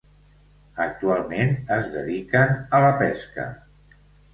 Actualment es dediquen a la pesca.